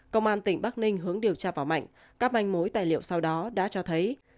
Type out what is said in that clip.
công an tỉnh bắc ninh hướng điều tra vào mạnh các manh mối tài liệu sau đó đã cho thấy